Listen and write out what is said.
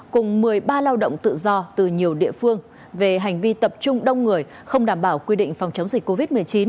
cùng một mươi ba lao động tự do từ nhiều địa phương về hành vi tập trung đông người không đảm bảo quy định phòng chống dịch covid một mươi chín